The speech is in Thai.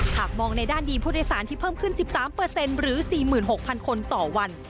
หากมองในด้านดีผู้โดยสารที่เพิ่มขึ้นสิบสามเปอร์เซ็นต์หรือสี่หมื่นหกพันคนต่อวัน